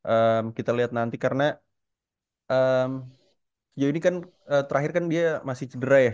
eh kita lihat nanti karena eh ya ini kan eh terakhir kan dia masih cedera ya